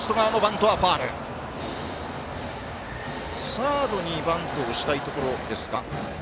サードにバントをしたいところですか。